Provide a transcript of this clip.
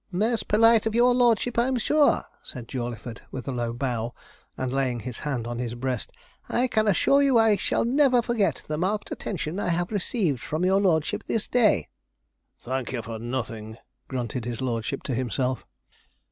'Most polite of your lordship, I'm sure,' said Jawleyford, with a low bow, and laying his hand on his breast. 'I can assure you I shall never forget the marked attention I have received from your lordship this day.' 'Thank you for nothing,' grunted his lordship to himself.